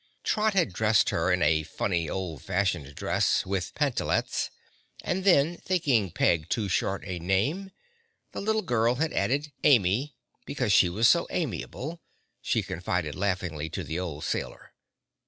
Trot had dressed her in a funny, old fashioned dress, with pantalettes, and then, thinking Peg too short a name, the little girl had added Amy, because she was so amiable, she confided laughingly to the old sailor.